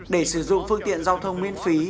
để sử dụng phương tiện giao thông miễn phí